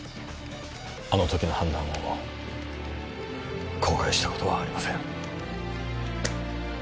あのときの判断を後悔したことはありません